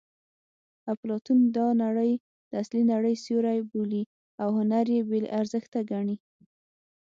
اپلاتون دا نړۍ د اصلي نړۍ سیوری بولي او هنر یې بې ارزښته ګڼي